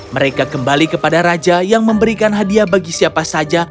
mereka kembali kepada raja yang memberikan hadiah bagi siapa saja